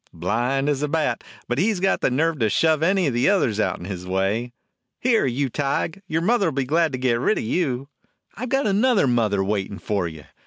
Blind as a bat, but he 's got the nerve to shove any of the others out 'n his way. Here, you Tige, your mother 'll be glad to get rid of you. I 've got another mother waitin' for you.